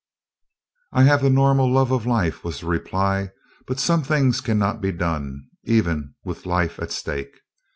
"I have the normal love of life," was the reply, "but some things cannot be done, even with life at stake.